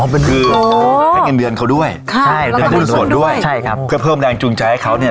อ๋อเป็นคืออ๋อแพงเงินเดือนเขาด้วยใช่ใช่ครับเพื่อเพิ่มแรงจูงใจให้เขาเนี่ย